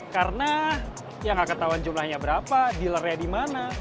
karena ya nggak ketahuan jumlahnya berapa dealernya di mana